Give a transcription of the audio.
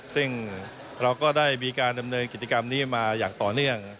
ซึ่งเราก็ได้มีการดำเนินกิจกรรมนี้มาอย่างต่อเนื่อง